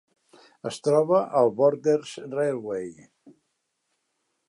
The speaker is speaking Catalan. Es troba al Borders Railway.